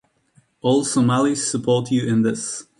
All Somalis support you in this.